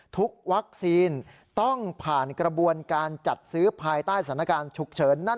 ทุกวัคซีนต้องผ่านกระบวนการจัดซื้อภายใต้สถานการณ์ฉุกเฉินนั่น